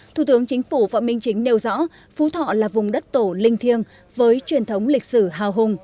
thủ tướng chính phủ phạm minh chính nêu rõ phú thọ là vùng đất tổ linh thiêng với truyền thống lịch sử hào hùng